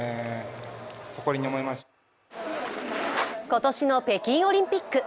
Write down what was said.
今年の北京オリンピック。